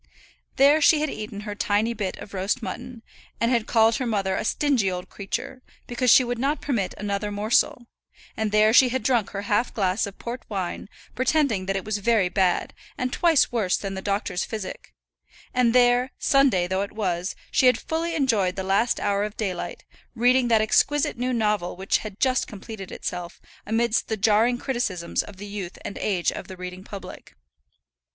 There she had eaten her tiny bit of roast mutton, and had called her mother a stingy old creature, because she would not permit another morsel; and there she had drunk her half glass of port wine, pretending that it was very bad, and twice worse than the doctor's physic; and there, Sunday though it was, she had fully enjoyed the last hour of daylight, reading that exquisite new novel which had just completed itself, amidst the jarring criticisms of the youth and age of the reading public.